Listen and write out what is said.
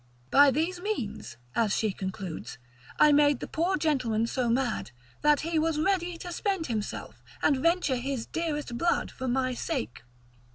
By these means (as she concludes) I made the poor gentleman so mad, that he was ready to spend himself, and venture his dearest blood for my sake.